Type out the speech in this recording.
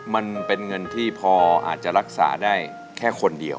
มันเป็นเงินที่พออาจจะรักษาได้แค่คนเดียว